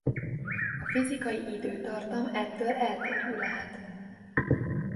A fizikai időtartam ettől eltérő lehet.